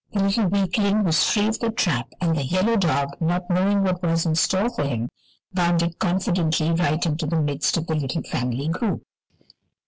The little weakling was free of the trap and the yellow dog, not knowing what was in store for him, bounded confidently right into the midst of the little family group.